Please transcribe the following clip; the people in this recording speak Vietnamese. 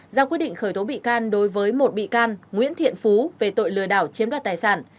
ra quyết định khởi tố bị can đối với một bị can nguyễn thiện phú về tội lừa đảo chiếm đoạt tài sản